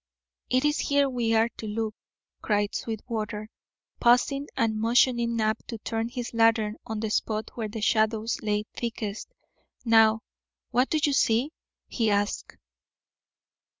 "It is here we are to look," cried Sweetwater, pausing and motioning Knapp to turn his lantern on the spot where the shadows lay thickest. "Now, what do you see?" he asked.